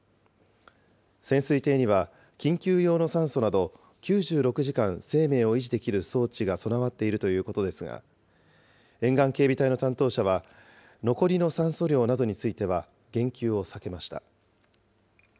潜水艇には、緊急用の酸素など９６時間生命を維持できる装置が備わっているということですが、沿岸警備隊の担当者は、残りの酸素量などについては言及を避けました。